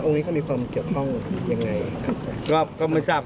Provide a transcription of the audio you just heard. นี่ก็มีความเกี่ยวข้องยังไงครับ